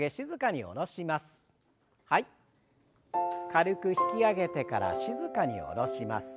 軽く引き上げてから静かに下ろします。